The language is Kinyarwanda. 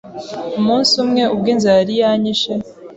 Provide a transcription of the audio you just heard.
Umunsi umwe, ubwo inzara yari yanyishe,